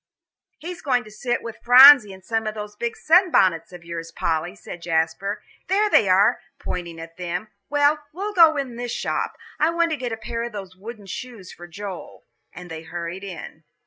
"He's going to sit with Phronsie in some of those big sunbonnets of yours, Polly," said Jasper. "There they are," pointing to them. "Well, we'll go in this shop. I want to get a pair of those wooden shoes for Joel." And they hurried in.